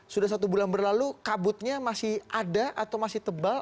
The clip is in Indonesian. sudah satu bulan berlalu kabutnya masih ada atau masih tebal